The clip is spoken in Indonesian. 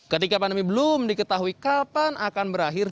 ketika pandemi belum diketahui kapan akan berakhir